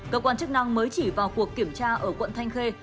cơ quan chức năng mới chỉ vào cuộc kiểm tra ở quận thanh khê